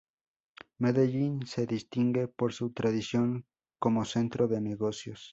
Medellín se distingue por su tradición como centro de negocios.